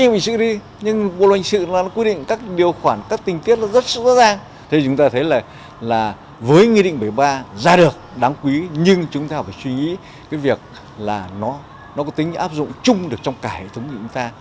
phải suy nghĩ cái việc là nó có tính áp dụng chung được trong cả hệ thống của chúng ta